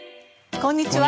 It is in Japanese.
こんにちは。